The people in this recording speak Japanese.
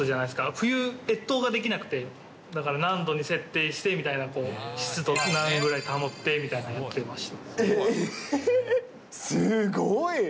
冬、越冬ができなくて、だから何度に設定してみたいな、湿度なんぐらい保ってとかやってました。